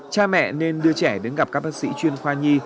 cha mẹ nên đưa trẻ đến gặp các bác sĩ chuyên khoa nhi